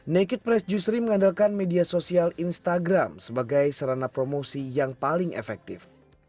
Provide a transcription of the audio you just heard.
naked press juicery mengandalkan media sosial instagram sebagai serana promosi yang paling efektif